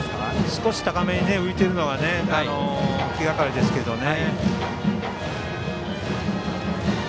少し高めに浮いているのは気がかりですけどね。